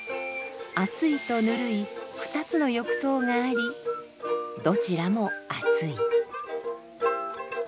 熱いとぬるい２つの浴槽がありどちらも熱い。